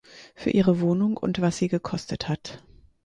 Für Ihre Wohnung und was sie gekostet hat.